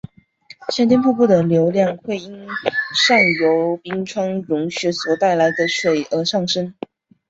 夏天瀑布的流量会因上游冰川融雪所带来的水而上升。